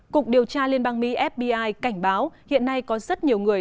cục điều tra liên bang mỹ fbi cảnh báo hiện nay có rất nhiều người